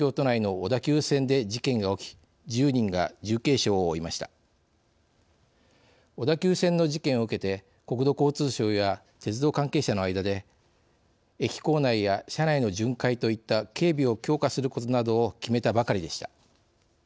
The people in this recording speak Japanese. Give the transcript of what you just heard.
小田急線の事件を受けて国土交通省や鉄道関係者の間で駅構内や車内の巡回といった警備を強化することなどを決めたばかりでした。